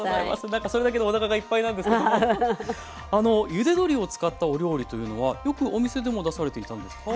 何かそれだけでおなかがいっぱいなんですけどもゆで鶏を使ったお料理というのはよくお店でも出されていたんですか？